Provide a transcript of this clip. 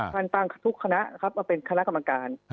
สั่งต้นทุกคณะทุกคณะครับเป็นคณะกรรมการ